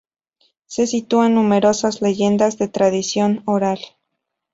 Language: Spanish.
Se sitúan numerosas leyendas de tradición oral.